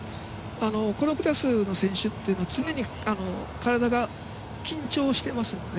このクラスの選手というのは常に体が緊張していますので。